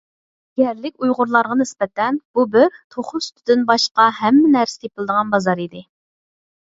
يەرلىك ئۇيغۇرلارغا نىسبەتەن، بۇ بىر «توخۇ سۈتىدىن باشقا ھەممە نەرسە تېپىلىدىغان بازار» ئىدى.